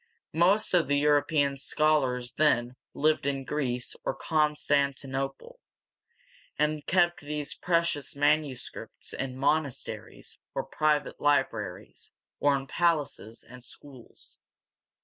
Most of the European scholars then lived in Greece or Constantinople, and kept these precious manuscripts in monasteries or private libraries, or in palaces and schools.